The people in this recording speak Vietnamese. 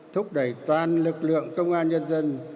thúc đẩy toàn lực lượng công an nhân dân